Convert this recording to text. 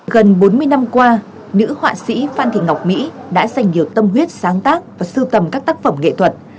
gần bốn mươi năm qua nữ họa sĩ phan thị ngọc mỹ đã dành nhiều tâm huyết sáng tác và sưu tầm các tác phẩm nghệ thuật